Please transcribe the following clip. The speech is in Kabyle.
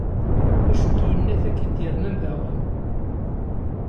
acu-t uyennat-aki d-yernan daɣen?